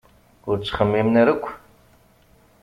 Ur ttxemmimen ara akk!